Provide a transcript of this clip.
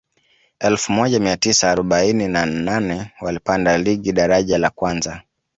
elfu moja mia tisa arobaini na nane walipanda ligi daraja la kwanza